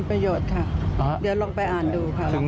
ปรับรายหลักฐานใหม่